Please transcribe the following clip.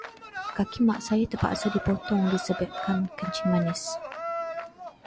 Kaki Mak saya terpaksa dipotong disebabkan kencing manis.